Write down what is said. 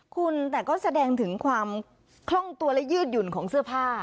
คุณแต่ก็แสดงถึงความคล่องตัวและยืดหยุ่นของเสื้อผ้า